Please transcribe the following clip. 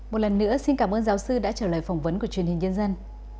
một lần nữa xin cảm ơn giáo sư đã trở lại phỏng vấn của truyền hình dân dân